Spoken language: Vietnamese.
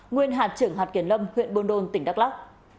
nguyên hạt trưởng hạt kiểm lâm huyện bôn đôn tỉnh đắk lắk